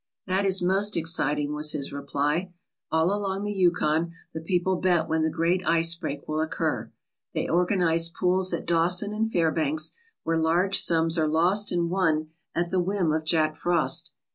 "That is most exciting/' was his reply. "All along the Yukon the people bet when the great ice break will occur. They organize pools at Dawson and Fairbanks, where large sums are lost and won at the whim of Jack Frost.